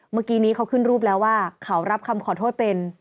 เมื่อกี้นี้เขาขึ้นรูปแล้วว่าเขารับคำขอโทษเป็น